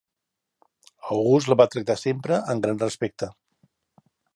August la va tractar sempre amb gran respecte.